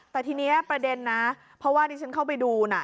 แต่ทีนี้ประเด็นนะเพราะว่าที่ฉันเข้าไปดูน่ะ